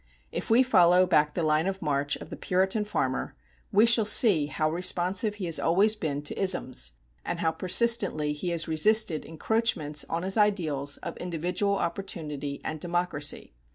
If we follow back the line of march of the Puritan farmer, we shall see how responsive he has always been to isms, and how persistently he has resisted encroachments on his ideals of individual opportunity and democracy.